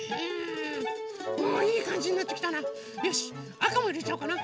あかもいれちゃおうかな。